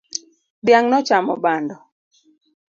Dhiang' nochamo bando